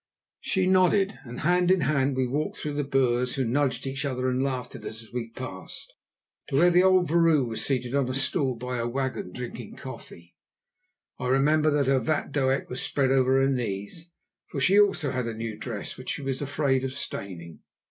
She nodded, and hand in hand we walked through the Boers, who nudged each other and laughed at us as we passed to where the old vrouw was seated on a stool by her wagon drinking coffee. I remember that her vatdoek was spread over her knees, for she also had a new dress, which she was afraid of staining.